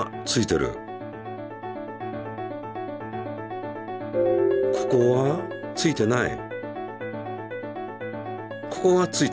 でもここはついてない。